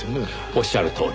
おっしゃるとおり。